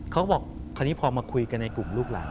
เขาบอกคราวนี้พอมาคุยกันในกลุ่มลูกหลาน